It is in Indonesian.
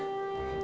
kalau emak emak